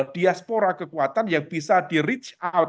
diaspora kekuatan yang bisa di reach out